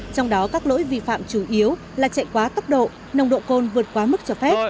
trong đó các lỗi vi phạm chủ yếu là chạy quá tốc độ nồng độ côn vượt quá mức cho phép